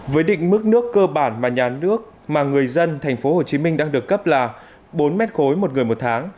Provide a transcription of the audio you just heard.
với định mức nước cơ bản mà nhà nước mà người dân tp hcm đang được cấp là bốn mét khối một người một tháng